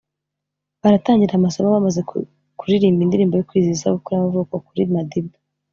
baratangira amasomo bamaze kuririmba indirimbo yo kwizihiza isabukuru y’amavuko kuri Madiba